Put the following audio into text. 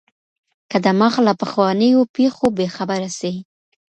که دماغ له پخوانیو پېښو بې خبره سي